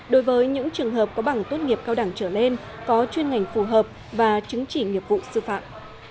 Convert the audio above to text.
đối với những trường hợp có bằng tốt nghiệp cao đẳng trở lên có chuyên ngành phù hợp và chứng chỉ nghiệp vụ sư phạm